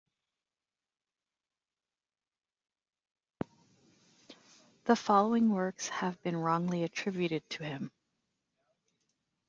The following works have been wrongly attributed to him.